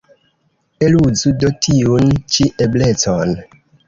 Eluzu do tiun ĉi eblecon.